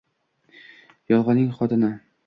…yolgʻonning xotini…